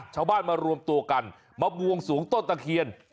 ชาวบ้านมารวมตัวกันมาบวงสวงต้นตะเคียน